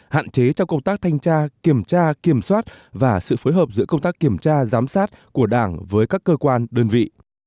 hạn chế trong công tác thanh tra kiểm tra kiểm soát và sự phối hợp giữa công tác kiểm tra giám sát của đảng với các cơ quan đơn vị